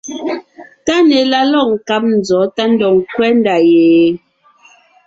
TÁNÈ la lɔ̂g nkáb nzɔ̌ tá ndɔg ńkwɛ́ ndá ye?